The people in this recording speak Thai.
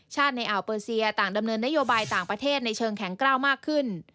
ในอ่าวเปอร์เซียต่างดำเนินนโยบายต่างประเทศในเชิงแข็งกล้าวมากขึ้น